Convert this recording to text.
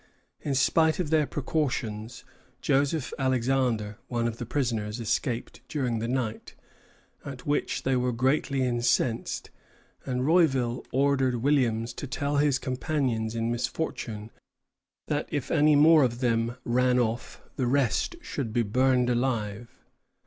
In spite of their precautions, Joseph Alexander, one of the prisoners, escaped during the night, at which they were greatly incensed; and Rouville ordered Williams to tell his companions in misfortune that if any more of them ran off, the rest should be burned alive.